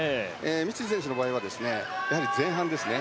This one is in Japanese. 三井選手の場合は前半ですね。